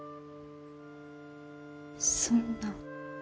そんな。